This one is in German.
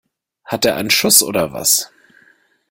Hat der einen Schuss oder was?